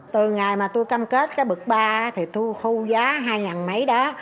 từ ngày mà tôi cam kết cái bực ba thì thu giá hai mấy đó